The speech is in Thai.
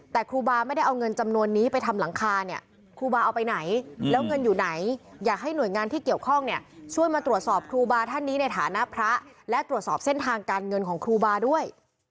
แต่ครูบาไม่ได้เอาเงินจำนวนนี้ไปทำหลังคาเนี่ยครูบาเอาไปไหนแล้วเงินอยู่ไหนอยากให้หน่วยงานที่เกี่ยวข้องเนี่ยช่วยมาตรวจสอบครูบาท่านนี้ในฐานะพระและตรวจสอบเส้นทางการเงินของครูบาด้วย